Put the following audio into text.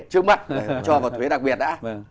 chứng mặt cho vào thuế đặc biệt đã